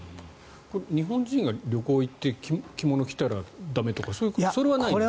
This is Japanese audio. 日本人が旅行に行って着物を着たら駄目とかそれはないんですか？